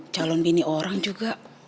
calon bini orang juga